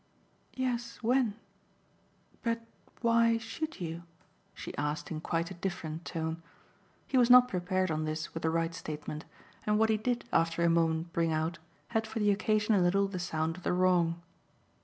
"Yes, when? But why SHOULD you?" she asked in quite a different tone. He was not prepared on this with the right statement, and what he did after a moment bring out had for the occasion a little the sound of the wrong.